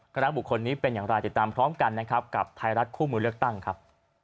คณะบุคคลนี้เป็นอย่างไรติดตามพร้อมกันนะครับกับไทยรัฐคู่มือเลือกตั้งครับ